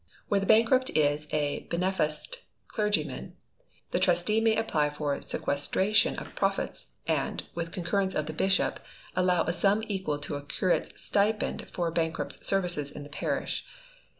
Where the bankrupt is a beneficed clergyman, the Trustee may apply for sequestration of profits, and, with concurrence of the bishop, allow a sum equal to a curate's stipend for bankrupt's services in the parish.